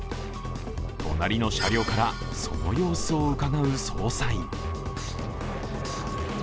隣の車両から、その様子をうかがう捜査員。